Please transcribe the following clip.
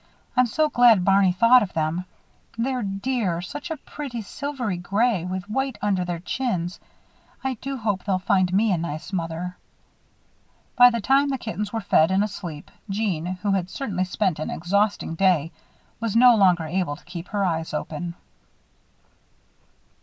I'm so glad Barney thought of them. They're dear such a pretty silvery gray with white under their chins. I do hope they'll find me a nice mother." By the time the kittens were fed and asleep, Jeanne, who had certainly spent an exhausting day, was no longer able to keep her eyes open.